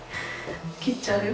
切っちゃうよ？